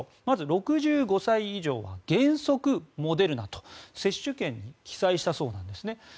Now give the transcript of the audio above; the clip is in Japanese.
まず、６５歳以上は原則モデルナと接種券に記載したそうです。